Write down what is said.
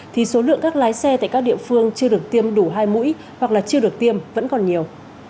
thì số lượng các lái xe tại các địa phương chưa được tiêm đủ hai mũi hoặc là chưa được tiêm vẫn còn nhiều